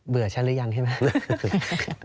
เบื่อฉันหรือยังใช่ไหม